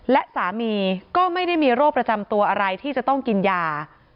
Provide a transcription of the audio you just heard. และสามีก็ไม่ได้มีโรคประจำตัวอะไรที่จะต้องกินยา